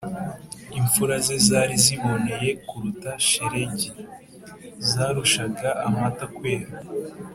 Imfura ze zari ziboneye kuruta shelegi, Zarushaga amata kwera.